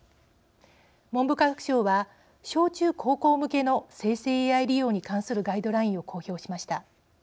文部科学省は小中高校向けの生成ＡＩ利用に関するガイドラインを公表しました。